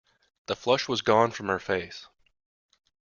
The flush was gone from her face.